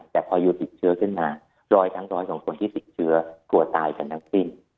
แต่พอยูติดเชื้อขึ้นมารอยทั้งร้อยของคนที่ติดเชื้อกลัวตายกันทั้งสิ้น